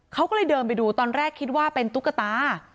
เขาก็เลยเดินไปดูตอนแรกคิดว่าเป็นตุ๊กตา